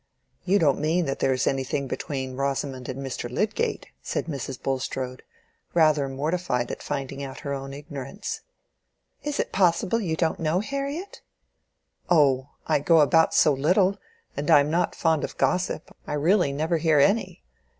"You don't mean that there is anything between Rosamond and Mr. Lydgate?" said Mrs. Bulstrode, rather mortified at finding out her own ignorance. "Is it possible you don't know, Harriet?" "Oh, I go about so little; and I am not fond of gossip; I really never hear any.